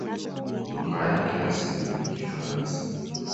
Lugha yake ya asili ni Kifaransa.